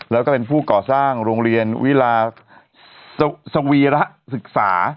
แล้วก็เป็นผู้ก่อสร้างโรงเรียนวิลาสวีระศึกษา